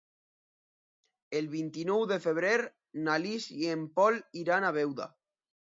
El vint-i-nou de febrer na Lis i en Pol iran a Beuda.